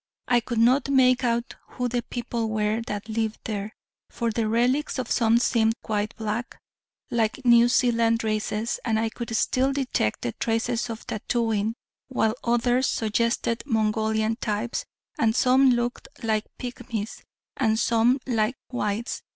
I could not make out who the people were that lived here: for the relics of some seemed quite black, like New Zealand races, and I could still detect the traces of tattooing, while others suggested Mongolian types, and some looked like pigmies, and some like whites.